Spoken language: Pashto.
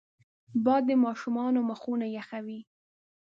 باد د ماشومانو مخونه یخوي